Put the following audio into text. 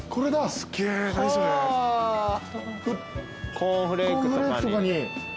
コーンフレークとかに。